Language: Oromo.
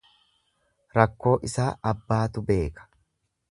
Rakkoo isaa abbumatu beeka.